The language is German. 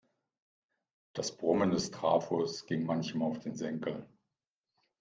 Das Brummen des Trafos ging manchem auf den Senkel.